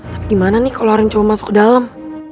tapi gimana nih kalau orang cuma masuk ke dalam